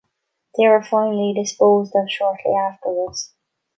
They were finally disposed of shortly afterwards.